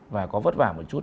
và có vất vả một chút